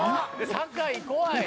「酒井怖い！」